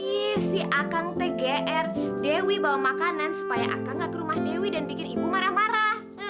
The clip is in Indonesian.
ih si akang tgr dewi bawa makanan supaya akang nggak ke rumah dewi dan bikin ibu marah marah